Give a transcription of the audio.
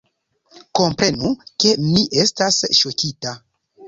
Komprenu, ke mi estas ŝokita!